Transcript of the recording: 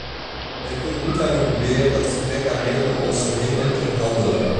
Wij kunnen niet langer beweren dat gebrek aan middelen ons verhindert te handelen.